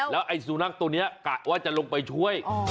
แล้วไอ้สุนัขตัวนี้กะว่าจะลงไปช่วย